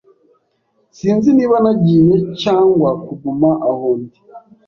Sinzi niba nagiye cyangwa kuguma aho ndi.